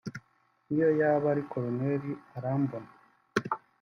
niyo yaba ari Colonel arambona